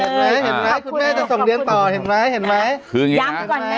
เห็นไหมเห็นไหมคุณแม่จะส่งเรียนต่อเห็นไหมเห็นไหมคืออย่างนี้ย้ำก่อนนะ